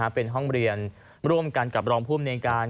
เป็นห้องเรียนร่วมกันกับรองภูมิในการ